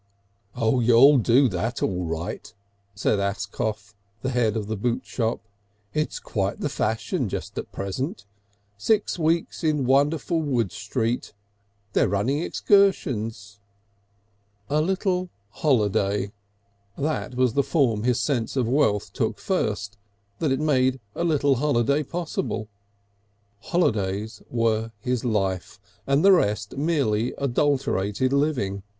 "You'll do that all right," said Ascough, the head of the boot shop. "It's quite the fashion just at present. Six Weeks in Wonderful Wood Street. They're running excursions...." "A little holiday"; that was the form his sense of wealth took first, that it made a little holiday possible. Holidays were his life, and the rest merely adulterated living.